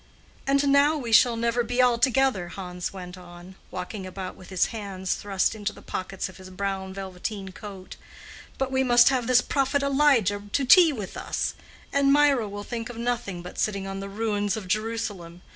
"And now we shall never be all together," Hans went on, walking about with his hands thrust into the pockets of his brown velveteen coat, "but we must have this prophet Elijah to tea with us, and Mirah will think of nothing but sitting on the ruins of Jerusalem.